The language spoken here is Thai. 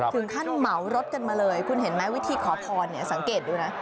ถึงขั้นเหมารถกันมาเลยคุณเห็นไหมวิธีขอพรเนี่ยสังเกตดูนะ